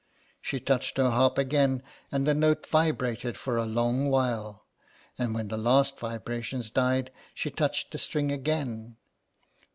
She touched her harp again and the note vibrated for a long while, and when the last vibrations died she touched the string again.